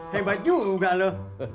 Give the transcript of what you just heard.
hebat juga lu